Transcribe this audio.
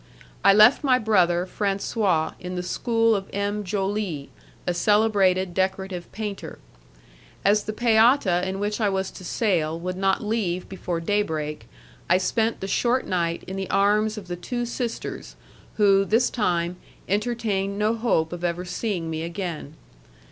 I left my brother Francois in the school of M. Joli, a celebrated decorative painter. As the peotta in which I was to sail would not leave before daybreak, I spent the short night in the arms of the two sisters, who, this time, entertained no hope of ever seeing me again.